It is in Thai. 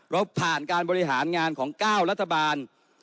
เราผ่านการบริหารงานของ๙รัฐบาล